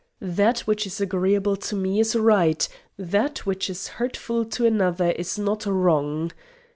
'That which is agreeable to me is right; that which is hurtful to another is not wrong.'